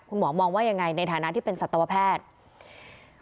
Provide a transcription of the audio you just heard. คุณหมอมองว่ายังไงในฐานะที่เป็นสัตวแพทย์